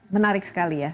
menarik sekali ya